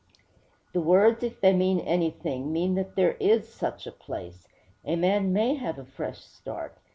The words, if they mean anything, mean that there is such a place. A man may have a fresh start.